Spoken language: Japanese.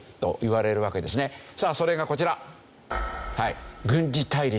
さあそれがこちら。